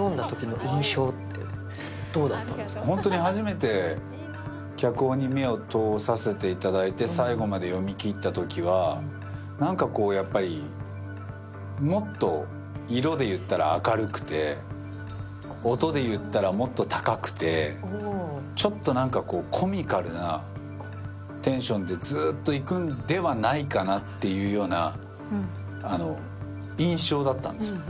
本当に初めて脚本に目を通させていただいて最後まで読み切ったときはなんかこう、もっと色で言ったら明るくて音で言ったらもっと高くて、ちょっとコミカルなテンションでずっといくんではないかなというような印象だったんですね。